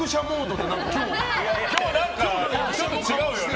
ちょっと違うよね。